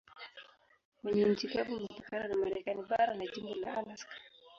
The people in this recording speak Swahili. Kwenye nchi kavu imepakana na Marekani bara na jimbo la Alaska.